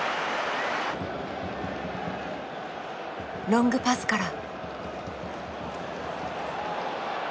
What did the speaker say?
ロングパスから。